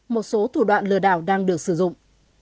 một số thủ đoạn lừa đảo đang được sử dụng